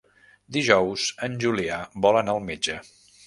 Dijous en Julià vol anar al metge.